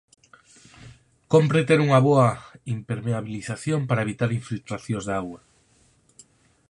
Cómpre ter unha boa impermeabilización para evitar infiltracións de auga.